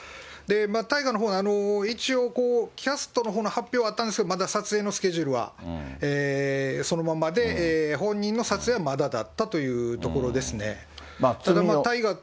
大河のほうが、一応、キャストの発表はあったんですけど、まだ撮影のスケジュールのほうはそのままで、本人の撮影はまだだったというところですね。